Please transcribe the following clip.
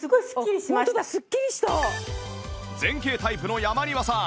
前傾タイプの山庭さん